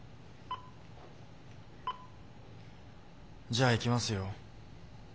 じゃあいきますよ。